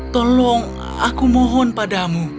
tolong aku mohon padamu